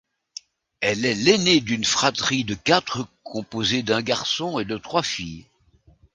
Elle est l’aînée d’une fratrie de quatre composée d'un garçon et de trois filles.